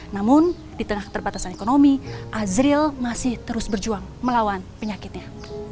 namun di tengah keterbatasan ekonomi azril masih terus berjuang melawan penyakitnya